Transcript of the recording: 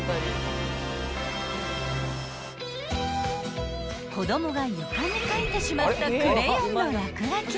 ［子供が床に描いてしまったクレヨンの落書きも］